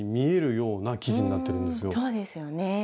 そうですよね。